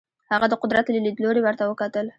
هغه د قدرت له لیدلوري ورته وکتل.